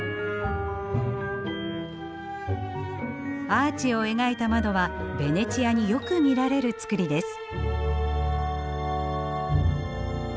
アーチを描いた窓はベネチアによく見られる造りです。